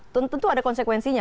tentu ada konsekuensinya